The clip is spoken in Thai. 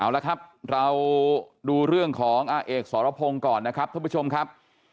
เอาละครับเราดูเรื่องของอาเอกสรพงศ์ก่อนนะครับท่านผู้ชมครับ